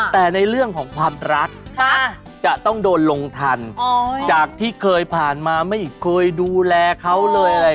แต่ในเรื่องของความรักจะต้องโดนลงทันจากที่เคยผ่านมาไม่เคยดูแลเขาเลยอะไร